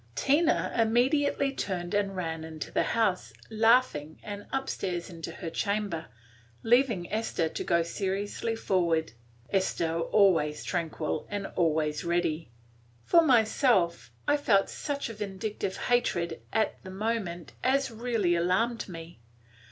TINA immediately turned and ran into the house, laughing, and up stairs into her chamber, leaving Esther to go seriously forward, – Esther always tranquil and always ready. For myself, I felt such a vindictive hatred at the moment as really alarmed me.